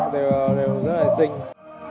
đều rất là xinh